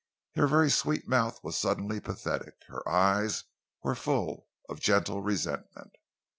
Her very sweet mouth was suddenly pathetic, her eyes were full of gentle resentment.